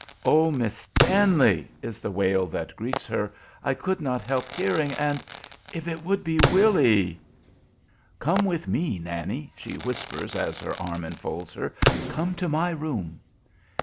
"Oh, Miss Stanley!" is the wail that greets her. "I could not help hearing, and if it should be Willy!" "Come with me, Nannie," she whispers, as her arm enfolds her. "Come to my room."